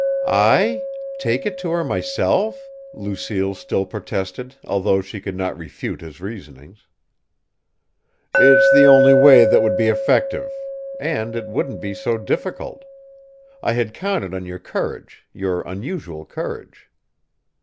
"I! Take it to her myself?" Lucille still protested, although she could not refute his reasonings. "It's the only way that would be effective and it wouldn't be so difficult. I had counted on your courage your unusual courage."